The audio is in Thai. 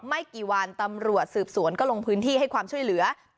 ไม่กี่วันตำรวจสืบสวนก็ลงพื้นที่ให้ความช่วยเหลือ